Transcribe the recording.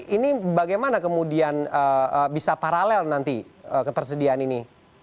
ini bagaimana kemudian bisa paralel nanti ketersediaan ini